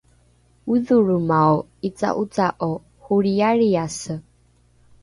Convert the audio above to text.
odholromao ’ica’oca’o holrialriase